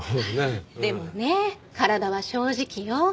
でもね体は正直よ。